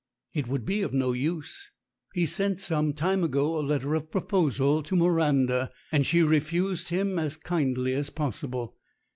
"It would be of no use. He sent some time ago a letter of proposal to Miranda, and she refused him as kindly as possible.